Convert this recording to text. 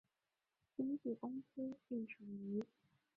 经纪公司隶属于。